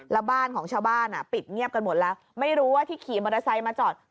แล้วบ้านของชาวบ้านอ่ะปิดเงียบกันหมดแล้วไม่รู้ว่าที่ขี่มอเตอร์ไซค์มาจอด